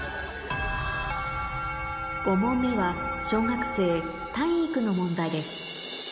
５問目は小学生体育の問題です